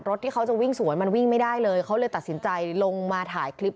ที่เขาจะวิ่งสวนมันวิ่งไม่ได้เลยเขาเลยตัดสินใจลงมาถ่ายคลิป